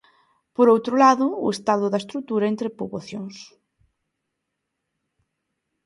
Por outro lado, o estado da estrutura entre poboacións.